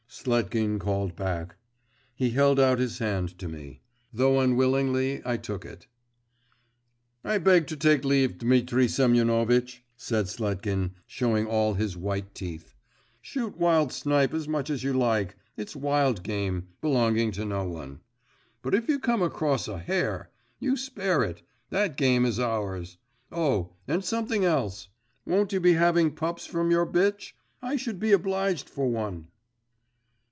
Sletkin called back. He held out his hand to me. Though unwillingly, I took it. 'I beg to take leave, Dmitri Semyonovitch,' said Sletkin, showing all his white teeth. 'Shoot wild snipe as much as you like. It's wild game, belonging to no one. But if you come across a hare you spare it; that game is ours. Oh, and something else! won't you be having pups from your bitch? I should be obliged for one!